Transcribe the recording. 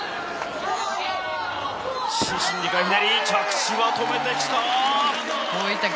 着地は止めてきた。